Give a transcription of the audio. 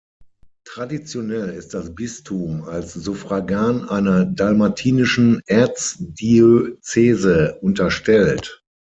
Traditionell ist das Bistum als Suffragan einer dalmatinischen Erzdiözese unterstellt.